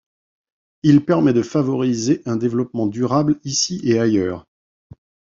Il permet de favoriser un développement durable ici et ailleurs.